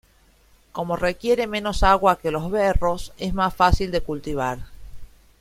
Como requiere menos agua que los berros, es más fácil de cultivar.